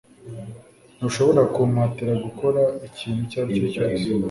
Ntushobora kumpatira gukora ikintu icyo ari cyo cyose